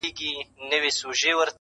وزیر وویل زما سر ته دي امان وي!.